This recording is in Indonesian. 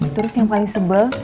terus yang paling sebel